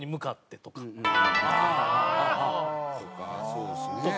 そうですね。